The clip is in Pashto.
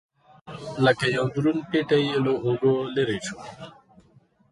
لکه یو دروند پېټی یې له اوږو لرې شوی و.